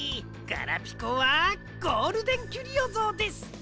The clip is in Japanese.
ガラピコはゴールデンキュリオぞうです！